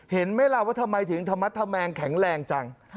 เห็นไหมล่ะว่าทำไมถึงธรรมธแมงแข็งแรงจัง